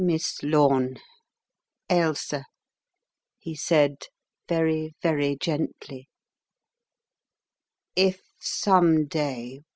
"Miss Lorne Ailsa," he said, very, very gently, "if some day